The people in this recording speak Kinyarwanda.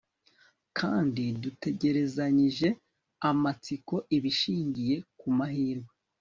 kandi dutegerezanyije amatsiko ibishingiye ku mahirwe